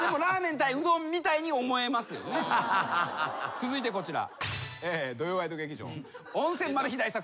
続いてこちら。